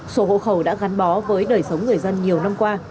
sổ hộ khẩu đã gắn bó với đời sống người dân nhiều năm qua